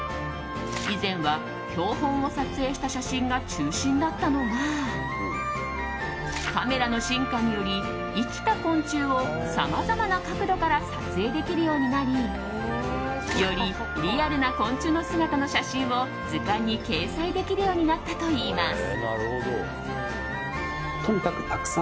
以前は標本を撮影した写真が中心だったのがカメラの進化により生きた昆虫をさまざまな角度から撮影できるようになりよりリアルな昆虫の姿の写真を図鑑に掲載できるようになったといいます。